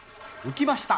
浮きました。